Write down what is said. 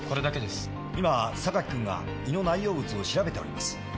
今榊君が胃の内容物を調べております。